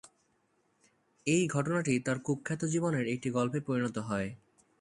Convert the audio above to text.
এই ঘটনাটি তার কুখ্যাত জীবনের একটি গল্পে পরিণত হয়।